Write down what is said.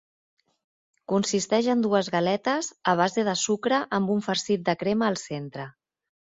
Consisteix en dues galetes a base de sucre amb un farcit de crema al centre.